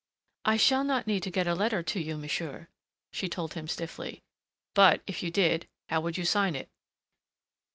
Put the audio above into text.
"I shall not need to get a letter to you, monsieur," she told him stiffly. "But, if you did, how would you sign it?"